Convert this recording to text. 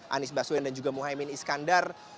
anies baswedan dan juga muhaymin iskandar